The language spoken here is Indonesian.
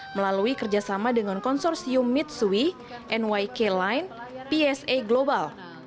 melalui kerjasama dengan konsorsium mitsui nyk line psa global